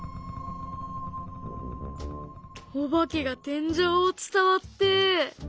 お化けが天井を伝わって。